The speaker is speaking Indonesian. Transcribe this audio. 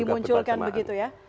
dimunculkan begitu ya